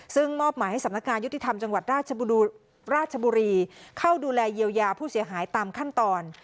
ซึ่งมอบหมายให้สำนักงานยุติธรรมจังหวัดราชบุรีเข้าดูแลเยียวยาผู้เสียหายตามขั้นตอน